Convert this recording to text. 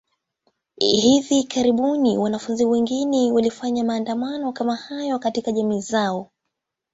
Hivi karibuni, wanafunzi wengine walifanya maandamano kama hayo katika jamii zao.